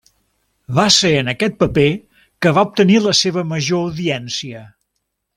Va ser en aquest paper que va obtenir la seva major audiència.